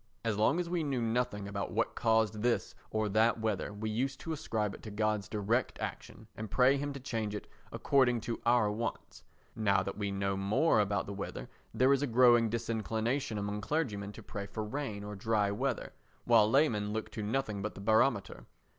As long as we knew nothing about what caused this or that weather we used to ascribe it to God's direct action and pray him to change it according to our wants: now that we know more about the weather there is a growing disinclination among clergymen to pray for rain or dry weather, while laymen look to nothing but the barometer.